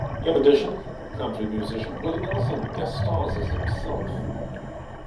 In addition, country musician Willie Nelson guest stars as himself.